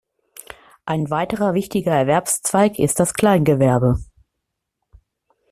Ein weiterer wichtiger Erwerbszweig ist das Kleingewerbe.